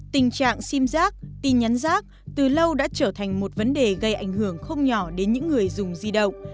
tình trạng sim giác tin nhắn giác từ lâu đã trở thành một vấn đề gây ảnh hưởng không nhỏ